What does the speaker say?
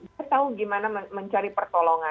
dia tahu gimana mencari pertolongan